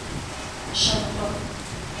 Шъэныкъо.